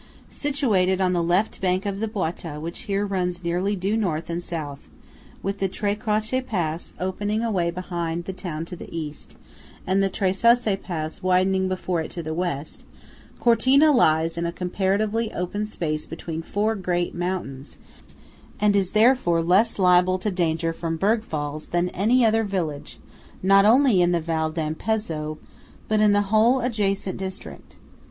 SITUATED on the left bank of the Boita which here runs nearly due north and south, with the Tre Croce Pass opening away behind the town to the east, and the Tre Sassi Pass widening before it to the west, Cortina lies in a comparatively open space between four great mountains, and is therefore less liable to danger from bergfalls than any other village not only in the Val d'Ampezzo but in the whole adjacent district.